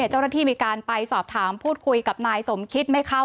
เจ้าหน้าที่มีการไปสอบถามพูดคุยกับนายสมคิดไหมคะ